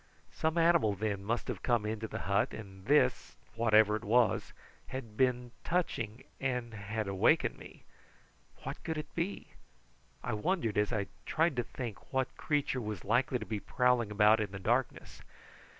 Some animal, then, must have come into the hut, and this, whatever it was, had been touching and had awakened me. What could it be? I wondered, as I tried to think what creature was likely to be prowling about in the darkness.